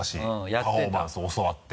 パフォーマンス教わって。